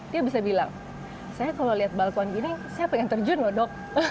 dia bisa bilang saya kalau lihat balkon gini saya pengen terjun loh dok